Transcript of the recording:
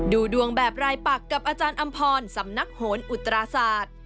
ดูดวงแบบรายปักกับอาจารย์อำพรสำนักโหนอุตราศาสตร์